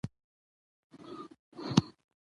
ناویلي ویل کېدای سي؛ خو ویل سوي بیا نه سي راګرځېدلای.